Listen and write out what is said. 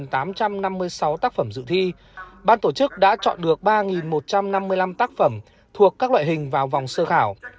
trong sáu tác phẩm dự thi ban tổ chức đã chọn được ba một trăm năm mươi năm tác phẩm thuộc các loại hình vào vòng sơ khảo